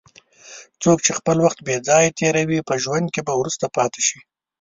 څوک چې خپل وخت بې ځایه تېروي، په ژوند کې به وروسته پاتې شي.